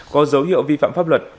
có dấu hiệu vi phạm pháp luật